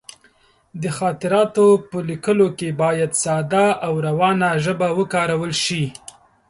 د خاطراتو په لیکلو کې باید ساده او روانه ژبه وکارول شي.